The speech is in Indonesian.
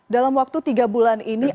dalam waktu tiga bulan ini